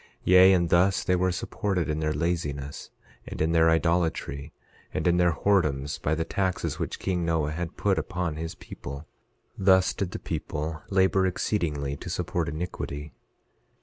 11:6 Yea, and thus they were supported in their laziness, and in their idolatry, and in their whoredoms, by the taxes which king Noah had put upon his people; thus did the people labor exceedingly to support iniquity.